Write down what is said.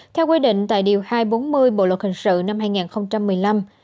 theo quy định tại điều hai trăm bốn mươi bộ luật hình sự năm hai nghìn một mươi năm